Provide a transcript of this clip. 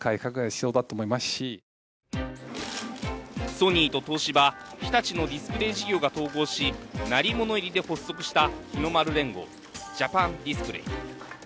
ソニーと東芝、日立のディスプレイ事業が統合し鳴り物入りで発足した日の丸連合、ジャパンディスプレイ。